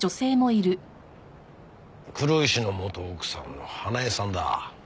黒石の元奥さんの華絵さんだ。